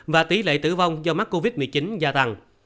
và tỷ lệ tử vong do mắc covid một mươi chín gia tăng